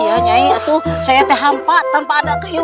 aku harus menggunakan ajem pabuk kasku